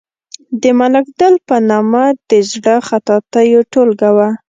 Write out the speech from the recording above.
د ملک دل په نامه د زړو خطاطیو ټولګه وه.